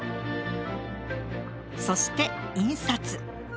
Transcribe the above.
そして印刷。